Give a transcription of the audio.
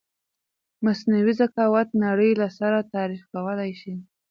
مثنوعې زکاوت نړی له سره تعریف کولای شې